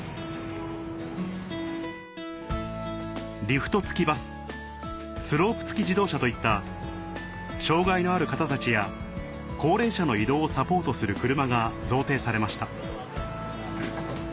リフト付きバススロープ付き自動車といった障がいのある方たちや高齢者の移動をサポートする車が贈呈されました